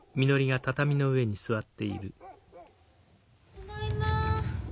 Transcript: ただいま。